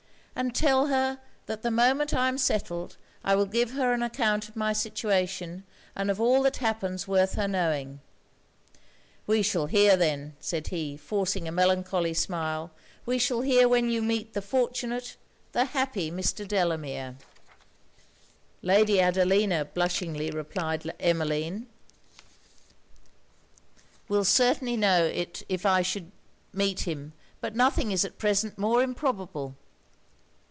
And tell her, that the moment I am settled I will give her an account of my situation, and of all that happens worth her knowing.' 'We shall hear then,' said he, forcing a melancholy smile, 'we shall hear when you meet the fortunate, the happy Mr. Delamere.' 'Lady Adelina,' blushingly replied Emmeline, 'will certainly know it if I should meet him; but nothing is at present more improbable.'